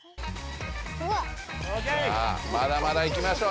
さあまだまだいきましょう。